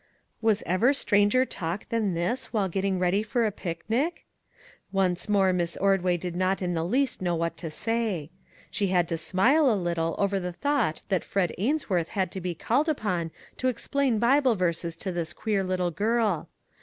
Was ever stranger talk than this while get ting ready for a picnic ? Once more Miss Ord way did not in the least know what to say. She had to smile a little over the thought that Fred Ainsworth had to be called upon to explain Bible verses to this queer little girl.